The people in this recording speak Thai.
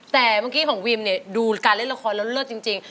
แต่ว่าเมื่อกี้ของวิ่มดูการเล่นละครเรื้อจริง